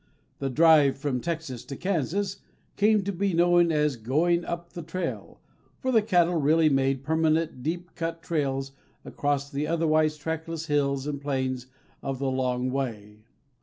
The drive from Texas to Kansas came to be known as "going up the trail," for the cattle really made permanent, deep cut trails across the otherwise trackless hills and plains of the long way.